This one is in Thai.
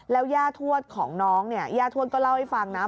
แล้วย่าทวดของน้องเนี่ยย่าทวดก็เล่าให้ฟังนะ